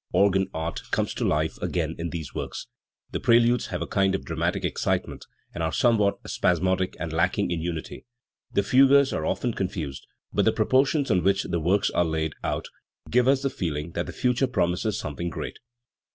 organ art comes to life again in these works; the preludes have a kind of dramatic excitement, and are somewhat spasmodic and lacking in unity; the fugues are often con fused; but the proportions on which the works are laid out give us the feeling that the future promises something great.